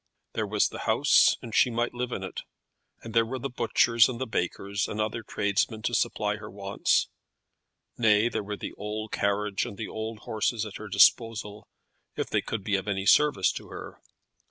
There was the house, and she might live in it; and there were the butchers and the bakers, and other tradesmen to supply her wants. Nay; there were the old carriage and the old horses at her disposal, if they could be of any service to her.